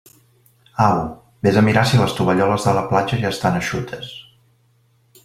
Au, vés a mirar si les tovalloles de la platja ja estan eixutes.